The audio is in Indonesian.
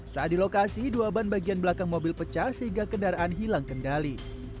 saat di lokasi dua ban bagian belakang mobil pecah sehingga kendaraan hilang kendali